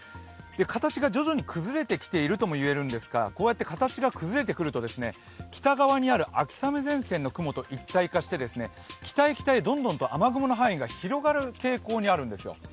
形が徐々に崩れてきているとも言えるんですがこうやって形が崩れてくると北側にある秋雨前線の雲と一体化して北へ北へどんどんと雨雲の範囲が広がる傾向にあるんです。